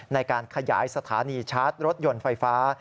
ในการขยายสถานีชาร์จรถยนต์ไฟฟ้า